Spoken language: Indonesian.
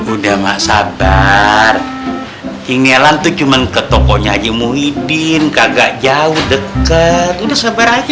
udah gak sabar tinggalan tuh cuman ke tokonya aja muhyiddin kagak jauh dekat udah sabar aja